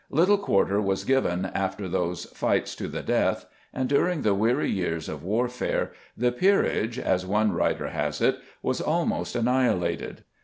Little quarter was given after those fights to the death, and during the weary years of warfare the peerage, as one writer has it, "was almost annihilated."